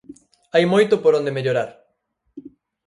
Hai moito por onde mellorar.